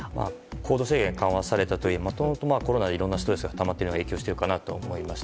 行動制限が緩和されたとはいえもともとコロナでいろんなストレスがたまっているのが影響しているかなと思いました。